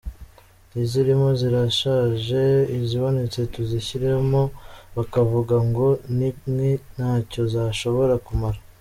N’izirimo zirashaje izibonetse tuzishyiramo bakavuga ngo ni nke ntacyo zishobora kumara.